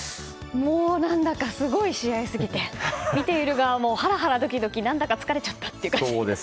何だかすごい試合過ぎて見ている側もハラハラドキドキ何だか疲れちゃったって感じ。